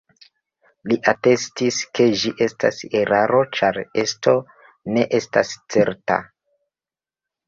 Li atestis ke ĝi estas eraro ĉar esto ne estas certa.